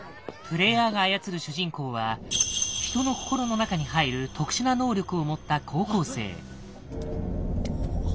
プレイヤーが操る主人公は人の心の中に入る特殊な能力を持った高校生。